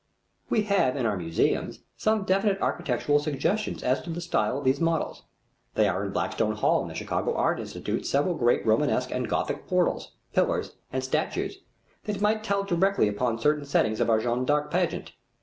We have in our museums some definite architectural suggestions as to the style of these models. There are in Blackstone Hall in the Chicago Art Institute several great Romanesque and Gothic portals, pillars, and statues that might tell directly upon certain settings of our Jeanne d'Arc pageant.